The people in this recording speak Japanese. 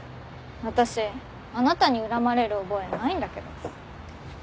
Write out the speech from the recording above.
私あなたに恨まれる覚えないんだけど。